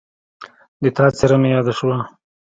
د تا څېره مې یاده شوه